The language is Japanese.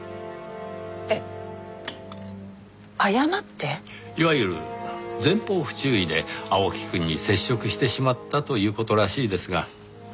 えっ「過って」？いわゆる前方不注意で青木くんに接触してしまったという事らしいですが。